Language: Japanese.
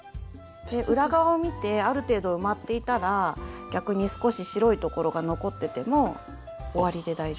裏側を見てある程度埋まっていたら逆に少し白いところが残ってても終わりで大丈夫だと思います。